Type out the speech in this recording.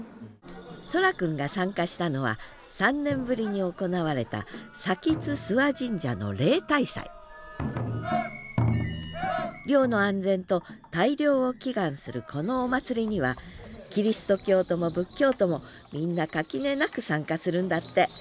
蒼空くんが参加したのは３年ぶりに行われた漁の安全と大漁を祈願するこのお祭りにはキリスト教徒も仏教徒もみんな垣根なく参加するんだって。